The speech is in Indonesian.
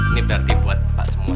ini berarti buat pak semua